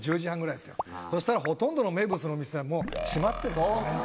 そしたらほとんどの名物のお店はもう閉まってますよね。